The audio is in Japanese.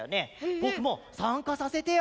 ぼくもさんかさせてよ！